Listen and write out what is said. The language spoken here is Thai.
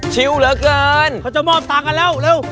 ชิลเหลือเกินเค้าจะมอบตากันแล้วเร็ว